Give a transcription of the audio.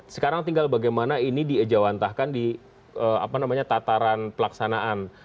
sekarang tinggal bagaimana ini diejawantahkan di tataran pelaksanaan